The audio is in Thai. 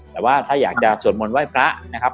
แต่ว่าถ้าอยากจะสวดมนต์ไหว้พระนะครับ